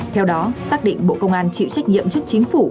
theo đó xác định bộ công an chịu trách nhiệm trước chính phủ